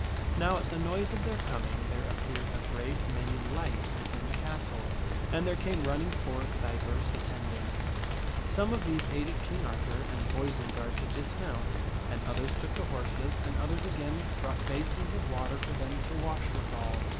Now at the noise of their coming, there appeared a great many lights within the castle, and there came running forth divers attendants. Some of these aided King Arthur and Boisenard to dismount, and others took the horses, and others again brought basins fndlfs^irt of water for them to wash withal.